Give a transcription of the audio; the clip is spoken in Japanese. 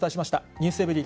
ｎｅｗｓｅｖｅｒｙ．